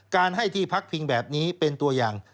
การให้ที่พักพิงแบบนี้เป็นตัวอย่าง